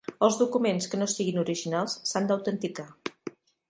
Els documents que no siguin originals s'han d'autenticar.